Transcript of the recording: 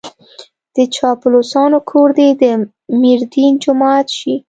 د چاپلوسانو کور دې د ميردين جومات شي.